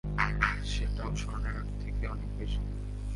সেটাও স্বর্ণের থেকে অনেক বেশি।